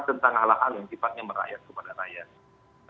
tentang hal hal yang sifatnya merayat kepada rakyat